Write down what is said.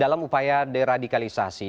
dalam upaya deradikalisasi